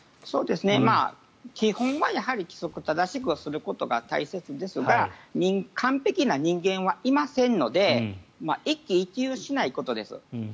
基本はやはり規則正しくすることが大切ですが完璧な人間はいませんので一喜一憂しないことです。